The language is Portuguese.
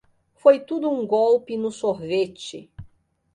Foi tudo um golpe no sorvete.